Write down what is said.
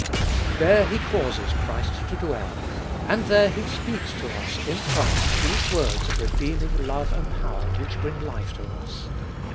There He causes Christ to dwell, and there He speaks to us in Christ these words of redeeming love and power which bring life to us.